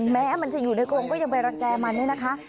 แม้มันจะอยู่ในกรงก็ยังไปรังแก่มันเนี่ยนะคะ